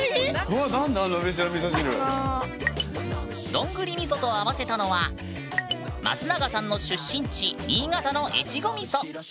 どんぐりみそと合わせたのは松永さんの出身地新潟の越後みそ。